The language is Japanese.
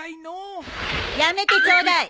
やめてちょうだい。